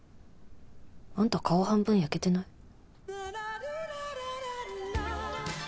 あんた顔半分焼けてない？